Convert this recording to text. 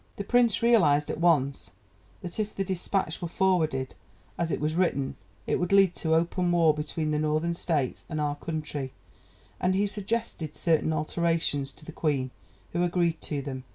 The Prince realized at once that if the dispatch were forwarded as it was written it would lead to open war between the Northern States and our country, and he suggested certain alterations to the Queen, who agreed to them.